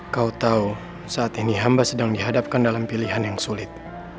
kau tahu saat ini hamba sedang dihadapkan dalam pilihan yang sulit